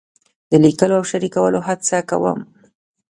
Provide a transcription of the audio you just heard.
د لیکلو او شریکولو هڅه کوم.